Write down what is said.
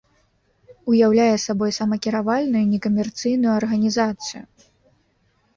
Уяўляе сабой самакіравальную некамерцыйную арганізацыю.